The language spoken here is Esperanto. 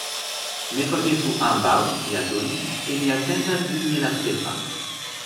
Ne forgesu ambaŭ, li aldonis, ke mi atendas vin je la sepa.